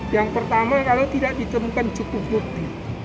yang pertama kalau tidak ditemukan cukup bukti